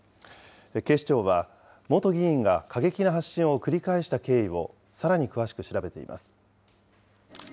警視庁は、元議員が、過激な発信を繰り返した経緯をさらに詳しく調べています。